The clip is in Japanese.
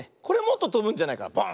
これもっととぶんじゃないかな。